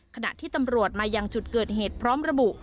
ขณะที่ตำรวจมายังจุดเกิดเหตุพร้อมระบุ